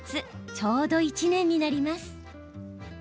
ちょうど１年になります。